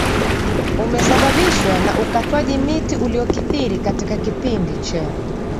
umesababishwa na ukwataji miti uliokithiri katika kipindi cha